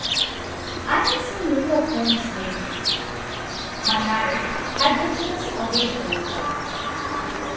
I had seen little of Holmes lately. My marriage had drifted us away from each other.